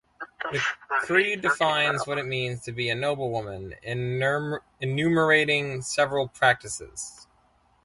The creed defines what it means to be a noble woman, enumerating several practices.